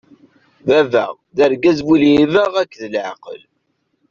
Baba, d argaz bu-lhiba akked laɛqel.